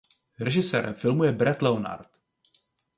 Režisérem filmu je Brett Leonard.